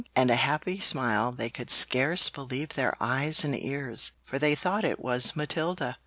and a happy smile they could scarce believe their eyes and ears, for they thought it was Matilda.